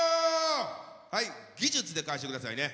はい技術で返して下さいね。